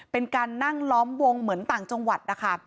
เป็นการนั่งล้อมวงเหมือนต่างจังหวัดนะคะ